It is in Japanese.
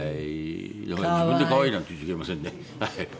自分で可愛いなんて言っちゃいけませんねはい。